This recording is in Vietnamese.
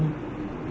nó thật là xúc động